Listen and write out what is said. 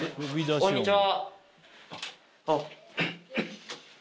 こんにちは！